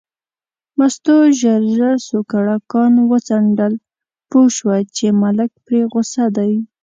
مستو ژر ژر سوکړکان وڅنډل، پوه شوه چې ملک پرې غوسه دی.